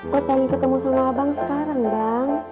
kok pengen ketemu sama abang sekarang bang